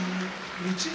陸奥